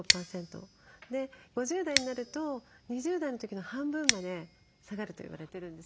５０代になると２０代の時の半分まで下がるといわれてるんです。